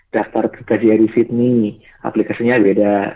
daftar ke kjri sydney aplikasinya beda